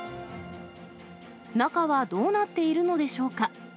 中はどうなっているのでしょうか。